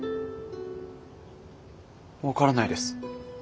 分からないです。